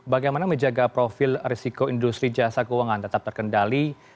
bagaimana menjaga profil risiko industri jasa keuangan tetap terkendali